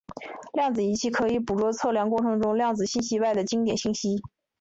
量子仪器可以捕捉测量过程中量子信息外的经典信息。